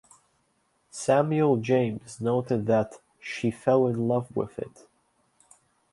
Samuel James noted that "she fell in love with it".